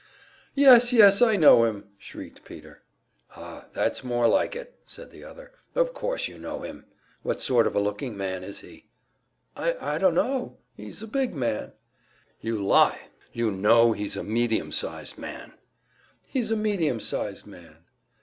"Yes, yes, I know him!" shrieked Peter. "Oh, that's more like it!" said the other. "Of course you know him. What sort of a looking man is he?" "I I dunno. He's a big man." "You lie! You know he's a medium sized man!" "He's a medium sized man."